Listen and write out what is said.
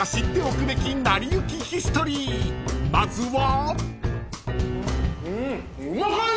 ［まずは］